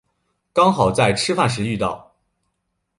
刚好在吃饭时遇到